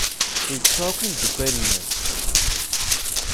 Yettu akk imeddukal-nnes.